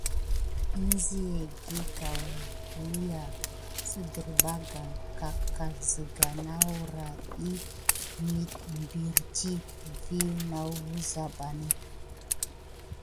Ezla kulià siderbakane kekalan siga nakura dik piritite vis nawuzamban.